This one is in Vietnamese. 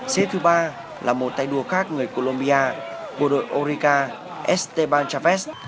xếp thứ ba là một tay đua khác người colombia bộ đội úrica esteban chavez